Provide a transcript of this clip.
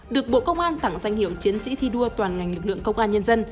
được bộ công an tặng danh hiệu chiến sĩ thi đua toàn ngành lực lượng công an nhân dân